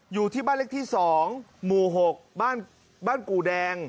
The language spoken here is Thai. อยู่ที่บ้านเลขที่๒หมู่๖บ้านกู่แดง